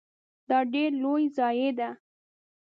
دا ډیره لوی ضایعه ده .